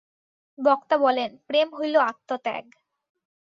বক্তা বলেন, প্রেম হইল আত্মত্যাগ।